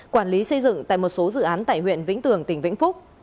quản lý xây dựng tại một số dự án tại huyện vĩnh tường tỉnh vĩnh phúc